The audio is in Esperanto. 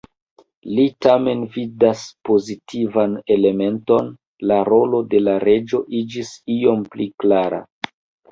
Li tamen vidas pozitivan elementon: la rolo de la reĝo iĝis iom pli klara.